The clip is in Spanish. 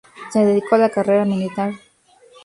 Se dedicó a la carrera militar.